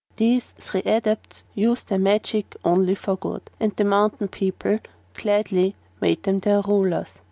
These three Adepts used their magic only for good, and the mountain people gladly made them their rulers.